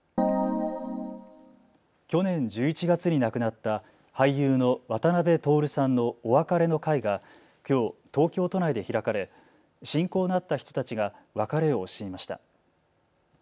去年１１月に亡くなった俳優の渡辺徹さんのお別れの会がきょう、東京都内で開かれ親交のあった人たちが別れを惜しみました。